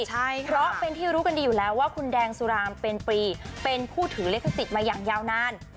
เพราะเป็นที่รู้กันดีอยู่แล้วว่าคุณแดงสุรามเป็นปีเป็นผู้ถือลิขสิทธิ์มาอย่างยาวนาน